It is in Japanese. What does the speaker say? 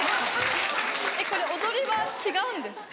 これ踊りは違うんですか？